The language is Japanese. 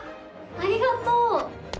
ありがとう！